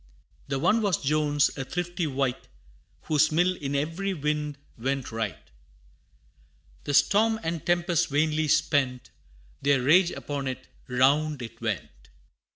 The one was Jones, a thrifty wight Whose mill in every wind went right. The storm and tempest vainly spent Their rage upon it round it went!